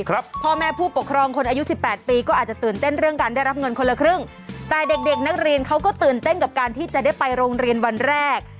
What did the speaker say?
พ่อแม่ผู้ปกครองคนอายุสิบแปดปีก็อาจจะตื่นเต้นเรื่องการได้รับเงินคนละครึ่งแต่เด็กเด็กนักเรียนเขาก็ตื่นเต้นกับการที่จะได้ไปโรงเรียนวันแรก